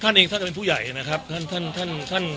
ท่านเองท่านจะเป็นผู้ใหญ่นะครับท่านท่านท่าน